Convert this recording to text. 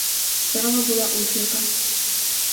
Справа була ось яка.